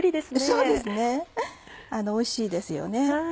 そうですねおいしいですよね。